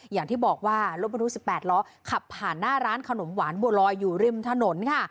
อย่างที่บอกว่ารถบรรทุก๑๘ล้อขับผ่านหน้าร้านขนมหวานบัวลอยอยู่ริมถนนค่ะ